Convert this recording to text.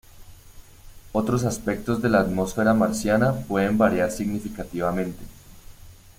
Otros aspectos de la atmósfera marciana pueden variar significativamente.